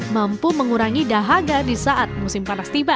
mampu mengurangi dahaga di saat musim panas tiba